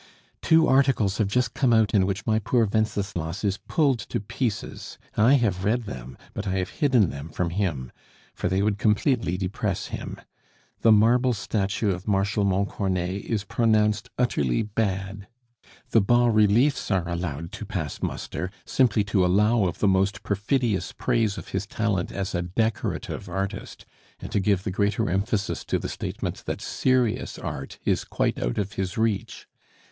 "Two articles have just come out in which my poor Wenceslas is pulled to pieces; I have read them, but I have hidden them from him, for they would completely depress him. The marble statue of Marshal Montcornet is pronounced utterly bad. The bas reliefs are allowed to pass muster, simply to allow of the most perfidious praise of his talent as a decorative artist, and to give the greater emphasis to the statement that serious art is quite out of his reach!